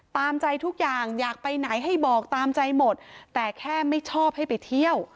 ตามใจทุกอย่างอยากไปไหนให้บอกตามใจหมดแต่แค่ไม่ชอบให้ไปเที่ยว